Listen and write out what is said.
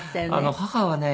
母はね